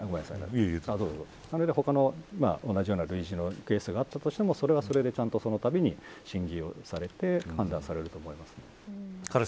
他の同じような類似のケースがあったとしてもそれは、そのたびに審議をされて判断されると思います。